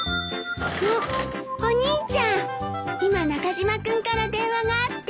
今中島君から電話があって。